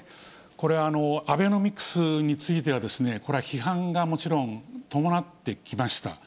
これはアベノミクスについては、これは批判がもちろん伴ってきました。